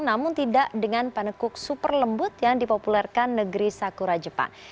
namun tidak dengan penekuk super lembut yang dipopulerkan negeri sakura jepang